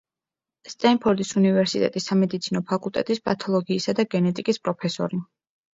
სტენფორდის უნივერსიტეტის სამედიცინო ფაკულტეტის პათოლოგიისა და გენეტიკის პროფესორი.